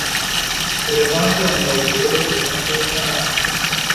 Revanto en la ideo, revanto en la amo.